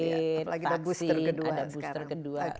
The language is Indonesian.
apalagi ada booster kedua sekarang